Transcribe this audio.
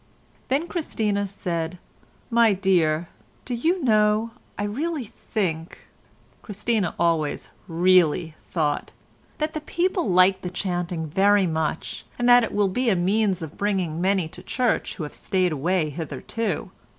Then Christina said: "My dear, do you know, I really think" (Christina always "really" thought) "that the people like the chanting very much, and that it will be a means of bringing many to church who have stayed away hitherto.